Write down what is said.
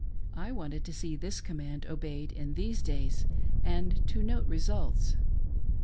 I wanted to see this command obeyed in these days, and to note results.